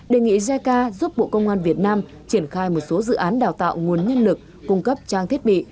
đề nghị jica giúp bộ công an việt nam triển khai một số dự án đào tạo nguồn nhân lực cung cấp trang thiết bị